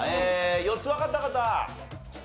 ４つわかった方。